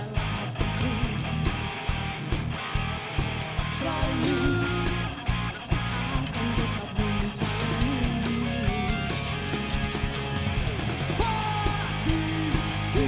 dari semua yang hadir di sini